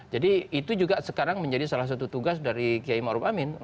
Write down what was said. jadi itu juga sekarang menjadi salah satu tugas dari kiai ma'ruf amin